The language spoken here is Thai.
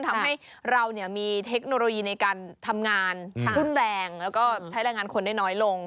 ทำให้เรามีเทคโนโลยีในการทำงานรุ่นแรงแล้วก็ใช้แรงงานคนได้น้อยลง